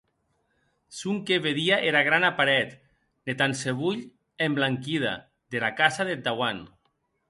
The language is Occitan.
Sonque vedie era grana paret, ne tansevolh emblanquida, dera casa deth dauant.